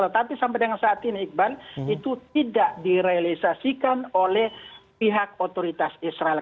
tetapi sampai dengan saat ini iqbal itu tidak direalisasikan oleh pihak otoritas israel